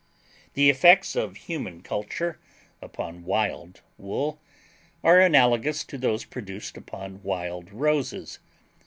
The effects of human culture upon wild wool are analogous to those produced upon wild roses.